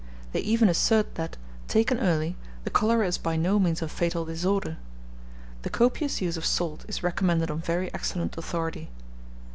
They even assert that, taken early, the cholera is by no means a fatal disorder. The copious use of salt is recommended on very excellent authority.